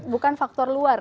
bukan faktor luar